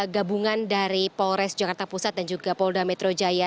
gabungan dari polres jakarta pusat dan juga polda metro jaya